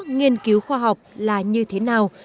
nghiên cứu khoa học là như thế nào